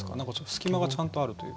隙間がちゃんとあるというか。